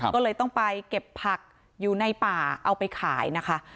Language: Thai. ก็เลยต้องไปเก็บผักอยู่ในป่าเอาไปขายนะคะ